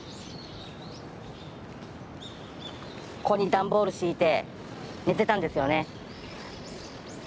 ここに段ボール敷いて寝てたんですよね。